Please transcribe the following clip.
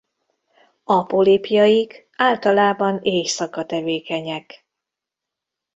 A polipjaik általában éjszaka tevékenyek.